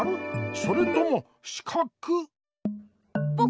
それともしかく？」。